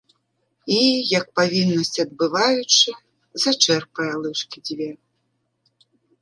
І, як павіннасць адбываючы, зачэрпае лыжкі дзве.